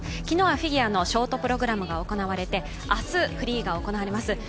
昨日はフィギュアのショートプログラムが行われて明日、フリーが行われます。